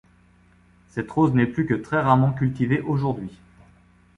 Cette rose n'est plus que très rarement cultivée aujourd'hui.